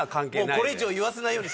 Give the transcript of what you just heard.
これ以上言わせないように。